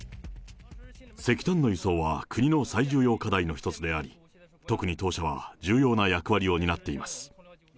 石炭の輸送は国の最重要課題の一つであり、特に当社は重要な役割を担っています。